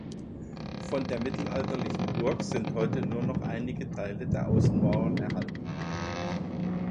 Von der mittelalterlichen Burg sind heute nur noch einige Teile der Außenmauern erhalten.